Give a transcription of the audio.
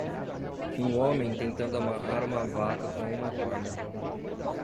Um homem tentando amarrar uma vaca com uma corda.